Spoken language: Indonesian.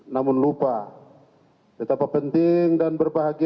namun lupa betapa penting dan berbahagia